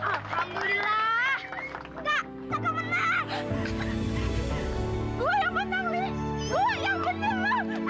enggak enggak kemenang